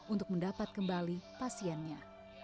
untuk mendapat kembali pasiennya